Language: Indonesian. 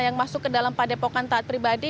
yang masuk ke dalam padepokan taat pribadi